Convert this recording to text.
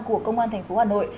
của công an thành phố hà nội